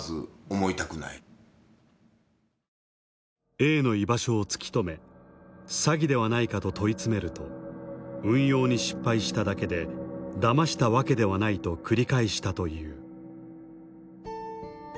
Ａの居場所を突き止め詐欺ではないかと問い詰めると運用に失敗しただけでだましたわけではないと繰り返したという。